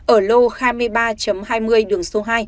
ở lô hai mươi ba hai mươi đường số hai